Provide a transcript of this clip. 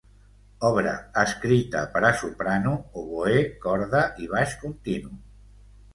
Obra escrita per a soprano, oboè, corda i baix continu.